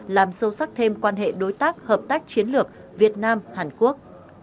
làm sâu sắc thêm quan hệ đối tác hợp tác chiến lược việt nam hàn quốc